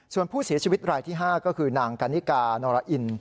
ส่วนผู้เสียชีวิตรายที่๕ก็คือนางกันนิกานอรอิน